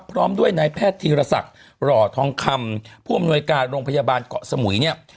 พร้อมด้วยนายแพทย์ธีรศักดิ์หล่อทองคำผู้อำนวยการโรงพยาบาลเกาะสมุยเนี่ย